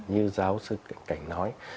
như giáo sư cảnh cảnh nói